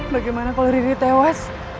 bagaimana kalo riri tewas